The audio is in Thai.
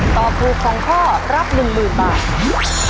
ตอบถูก๒ข้อรับ๑๐๐๐บาท